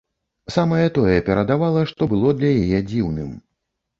Самае тое перадавала, што было для яе дзіўным.